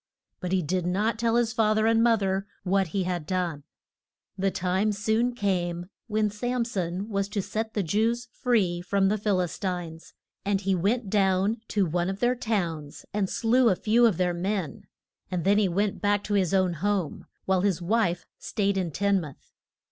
But he did not tell his fath er and moth er what he had done. The time soon came when Sam son was to set the Jews free from the Phil is tines. And he went down to one of their towns and slew a few of their men, and then went back to his own home, while his wife stayed in Tin muth.